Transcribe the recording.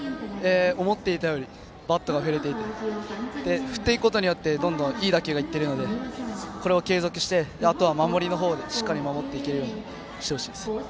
思っていたよりバットが振れていて振っていくことによってどんどんいい打球が行っているのでこれを継続してあとは守りの方でしっかり守っていけるようにしてほしいです。